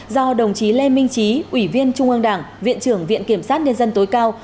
do đồng chí lê minh trí ủy viên trung ương đảng viện trưởng viện kiểm sát nhân dân tối cao